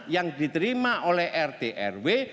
yang diterima oleh rt rw